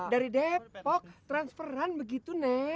dari depok transferan begitu nek